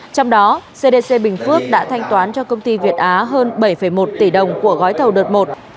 trong đó cdc bình phước đã thanh toán cho công ty việt á hơn bảy một tỷ đồng của gói thầu đợt một